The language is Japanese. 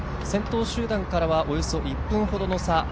先頭集団からはおよそ１分ほどの差